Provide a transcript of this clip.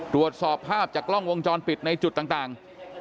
ตรวจสอบภาพจากกล้องวงจรปิดในจุดต่าง